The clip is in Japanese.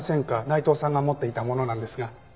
内藤さんが持っていたものなんですが。